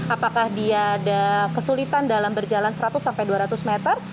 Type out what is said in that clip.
apakah dia ada kesulitan dalam berjalan seratus sampai dua ratus meter